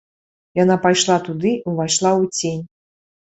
Яна пайшла туды і ўвайшла ў цень.